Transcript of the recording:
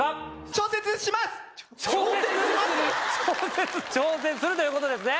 「ちょうせつ」？挑戦するということですね。